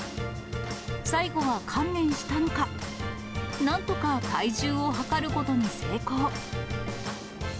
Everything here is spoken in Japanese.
最後は観念したのか、なんとか体重を量ることに成功。